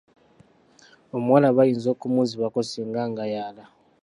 Omuwala bayinza okumunzibako singa ngayala.